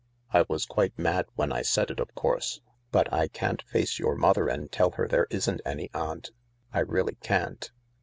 I was quite mad when I said it, of course, but I can't face your mother and tell her there isn't any aunt — I really can't."